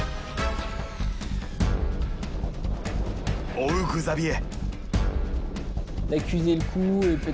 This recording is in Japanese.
追うグザビエ。